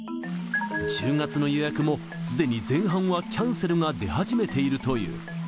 １０月の予約も、すでに前半はキャンセルが出始めているという。